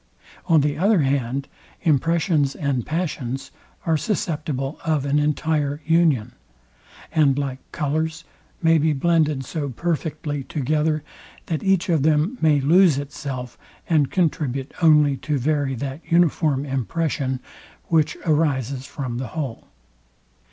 On the other hand, impressions and passions are susceptible of an entire union; and like colours, may be blended so perfectly together, that each of them may lose itself, and contribute only to vary that uniform impression, which arises from the whole.